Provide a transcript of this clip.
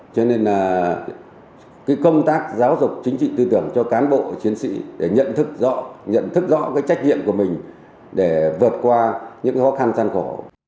cho nên là công tác giáo dục chính trị tư tưởng cho cán bộ chiến sĩ để nhận thức rõ nhận thức rõ cái trách nhiệm của mình để vượt qua những khó khăn gian khổ